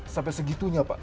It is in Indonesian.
sampai segitunya pak